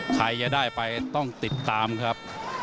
ใครจะได้ไปต้องติดตามครับ